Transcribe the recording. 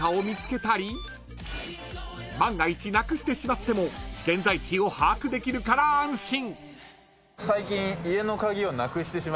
［万が一なくしてしまっても現在地を把握できるから安心］